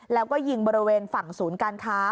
แล้วก็ยิงบริเวณฝั่งศูนย์การค้า